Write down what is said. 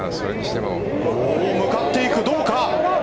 向かっていく、どうか。